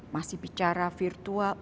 masih bicara virtual